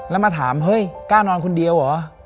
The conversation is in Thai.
แล้วมาถามเฮ้ยกล้านอนคนเดียวเหรอ